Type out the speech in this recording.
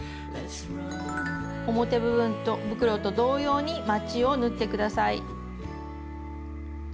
表袋と同様にまちを縫ってください。